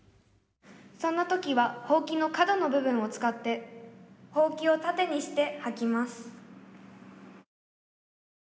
そんなときはほうきの角の部分を使ってほうきをたてにしてはきます」。